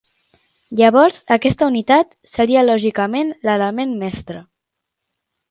Llavors aquesta unitat seria lògicament l'element mestre.